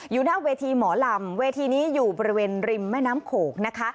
หน้าเวทีหมอลำเวทีนี้อยู่บริเวณริมแม่น้ำโขงนะคะ